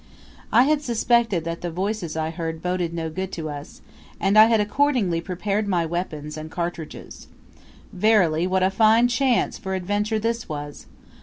I had suspected that the voices I heard boded no good to us, and I had accordingly prepared my weapons and cartridges. Verily, what a fine chance for adventure this was!